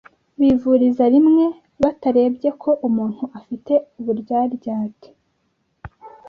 bivuriza rimwe batarebye ko umuntu afite uburyaryate